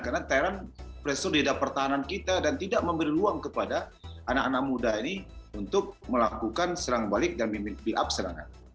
karena thailand presor darah pertahanan kita dan tidak memberi ruang kepada anak anak muda ini untuk melakukan serang balik dan build up serangan